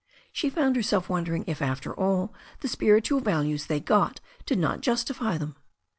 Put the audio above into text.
She found herself wondering if, after all, the spiritual values they got did not justify them.